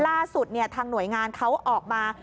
ล่าสุดทางหน่วยงานเขาออกมา